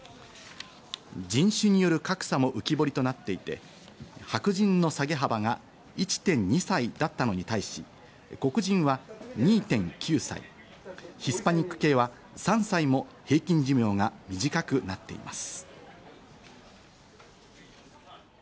人種による格差も浮き彫りとなっていて、白人の下げ幅が１．２歳だったのに対し、黒人は２．９歳、ヒスパニック系は３歳も平均寿命が短くなっています。